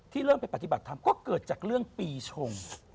เริ่มไปปฏิบัติธรรมก็เกิดจากเรื่องปีชง